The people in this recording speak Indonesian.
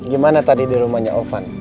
gimana tadi di rumahnya ovan